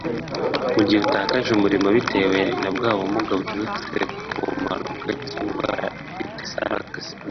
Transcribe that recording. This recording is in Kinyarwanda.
Mu gihe utakaje umurimo bitewe na bwa bumuga buturutse ku mpanuka cyangwa indwara ifitanye isano n’akazi